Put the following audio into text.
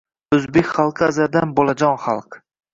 O‘zbek xalqi azaldan bolajon xalq